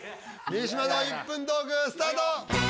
三島の「１分トーク」スタート！